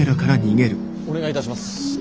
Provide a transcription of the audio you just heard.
お願いいたします。